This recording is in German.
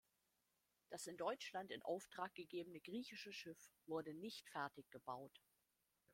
Das in Deutschland in Auftrag gegebene griechische Schiff wurde nicht fertig gebaut.